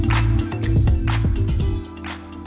itu kebanyakan mu